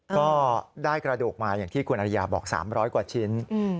ก็ได้กระดูกมาอย่างที่คุณอริยาบอก๓๐๐กว่าชิ้น